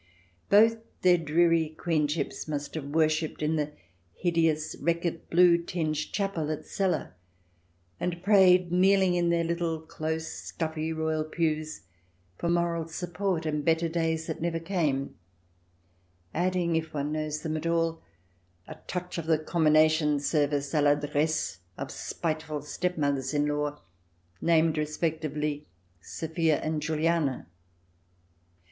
Both their dreary Queenships must have wor shipped in the hideous Reckitt's blue tinged chapel at Celle, and prayed, kneeling in their little close, stuffy, royal pews, for moral support and better days that never came^ adding, if one knows them at all, a touch of the Commination Service a Faddresse of spiteful stepmothers in law, named respectively Sophia and Juliana.